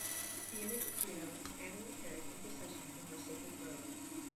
The image of Juno was annually carried in procession from her sacred grove.